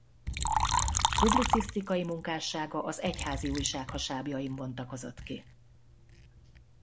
Publicisztikai munkássága az Egyházi Újság hasábjain bontakozott ki.